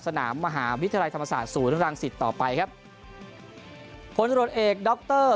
สนามมหาวิทยาลัยธรรมศาสตร์ศูนย์รังสิตต่อไปครับผลตรวจเอกดร